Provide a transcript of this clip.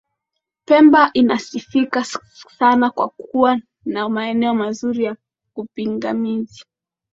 Pemba inasifika sana kwa kuwa na maeneo mazuri ya kupigambizi